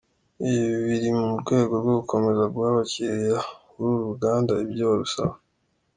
Ibi biri mu rwego rwo gukomeza guha abakiriya b’uru ruganda ibyo barusaba.